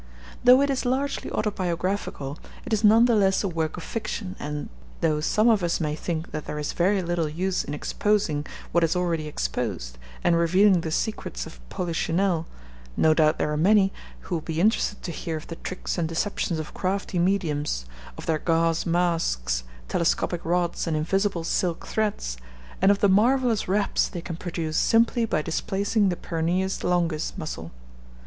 Though it is largely autobiographical, it is none the less a work of fiction and, though some of us may think that there is very little use in exposing what is already exposed and revealing the secrets of Polichinelle, no doubt there are many who will be interested to hear of the tricks and deceptions of crafty mediums, of their gauze masks, telescopic rods and invisible silk threads, and of the marvellous raps they can produce simply by displacing the peroneus longus muscle!